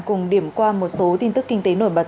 cùng điểm qua một số tin tức kinh tế nổi bật